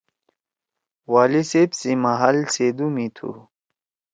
والی صیب سی محل سیدُو می تُھو۔